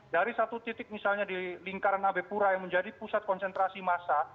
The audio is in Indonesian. dari satu titik misalnya di lingkaran abe pura yang menjadi pusat konsentrasi massa